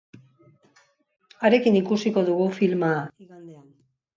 Harekin ikusiko dugu filma, igandean.